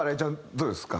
どうですか？